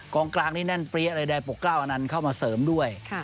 ทางที่แน่นเปรี้ยะเลยได้ปกก้าวอันนั้นเข้ามาเสริมด้วย